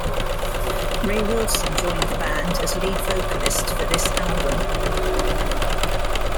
Ray Wilson joined the band as lead vocalist for this album.